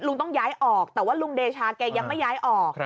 ต้องย้ายออกแต่ว่าลุงเดชาแกยังไม่ย้ายออก